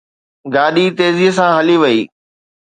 گاڏي تيزيءَ سان هلي وئي